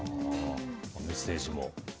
メッセージも。